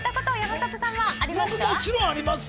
もちろんありますよ。